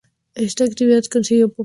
Con esta actividad consiguió popularidad.